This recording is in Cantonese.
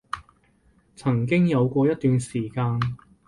曾經有過一段時間